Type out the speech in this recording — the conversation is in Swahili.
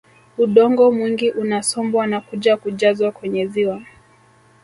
Udongo mwingi unasombwa na kuja kujazwa kwenye ziwa